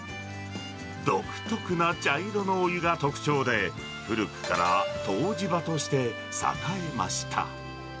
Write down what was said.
独特な茶色のお湯が特徴で、古くから湯治場として栄えました。